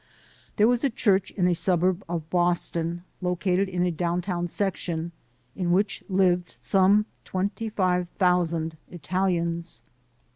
There was a church in a suburb of Boston, located in a downtown section, in which lived some twenty five thousand Italians.